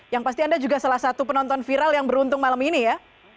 yang pasti anda juga salah satu penonton viral yang beruntung malam ini ya